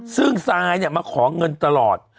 ซึ่งซายมาขอเงินตลอด